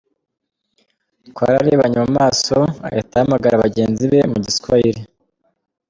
Twararebanye mu maso, ahita ahamagara bagenzi be mu Giswahili.